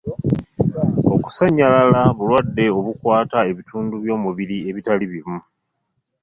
Okusannyalala bulwadde obukwata ebitundu by'omubiri ebitali bimu.